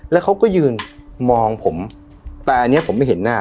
แล้วเขาก็ยืนมองผมแต่อันนี้ผมไม่เห็นหน้า